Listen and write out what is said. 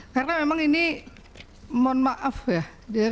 karena memang ini mohon maaf ya